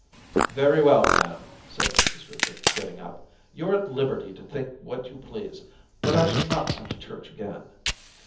•Very well, ma'am,' said Mrs Griffith, getting up. * You're at liberty to think what you please, but I shall not come to church again.